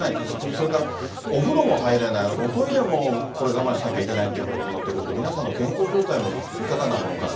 それからお風呂も入れない、おトイレもこれ、我慢しなきゃいけないってことになってくると、皆さんの健康状態もいかがなものかと。